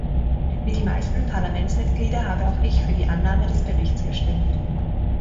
Wie die meisten Parlamentsmitglieder habe auch ich für die Annahme des Berichts gestimmt.